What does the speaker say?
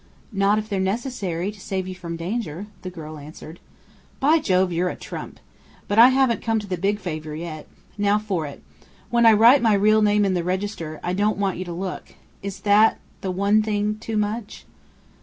"Not if they're necessary to save you from danger," the girl answered. "By Jove, you're a trump! But I haven't come to the big favour yet. Now for it! When I write my real name in the register, I don't want you to look. Is that the one thing too much?"